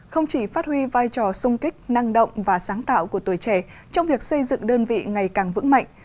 không chỉ phát huy vai trò sung kích năng động và sáng tạo của tuổi trẻ trong việc xây dựng đơn vị ngày càng vững mạnh